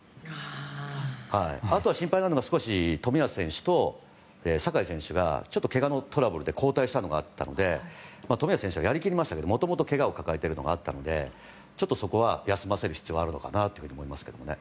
あとは心配なのは少し、冨安選手と酒井選手がちょっとけがのトラブルで交代したのがあったので冨安選手はやり切りましたけどもともと、けがを抱えているのがあったのでそこは休ませる必要はあるのかなと思いますけどね。